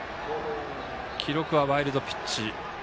記録はワイルドピッチ。